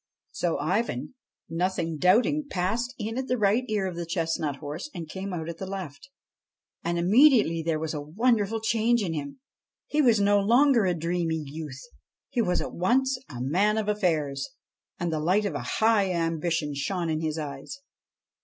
So Ivan, nothing doubting, passed in at the right ear of the chestnut horse and came out at the left ; and immediately there wa* 68 IVAN AND THE CHESTNUT HORSE a wonderful change in him. He was no longer a dreamy youth : he was at once a man of affairs, and the light of a high ambition shone in his eyes.